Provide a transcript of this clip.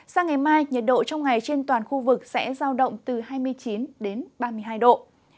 sang ngày mai nhiệt độ trong ngày trên toàn khu vực sẽ giao động từ hai mươi chín đến ba mươi hai độ